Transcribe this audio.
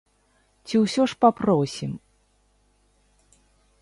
Ці ўсё ж папросім?